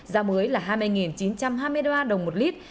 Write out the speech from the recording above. giá mới là hai mươi chín trăm hai mươi ba đồng một lít